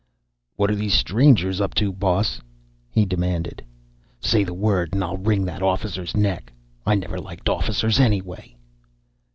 "What are these strangers up to, boss?" he demanded. "Say the word and I'll wring that officer's neck. I never liked officers, anyway."